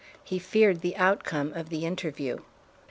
He feared the outcome of the interview.